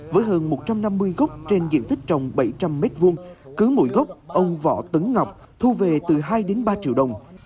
với hơn một trăm năm mươi gốc trên diện tích trồng bảy trăm linh m hai cứ mỗi gốc ông võ tấn ngọc thu về từ hai đến ba triệu đồng